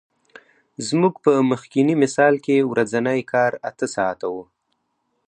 زموږ په مخکیني مثال کې ورځنی کار اته ساعته وو